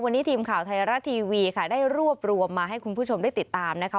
วันนี้ทีมข่าวไทยรัฐทีวีค่ะได้รวบรวมมาให้คุณผู้ชมได้ติดตามนะคะ